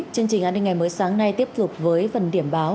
chương trình an ninh ngày mới sáng nay tiếp tục với phần điểm báo